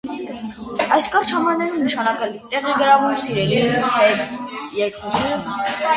Այս կարճ համարներում նշանակալի տեղ է գրավում սիրելիի հետ երկխոսությունը։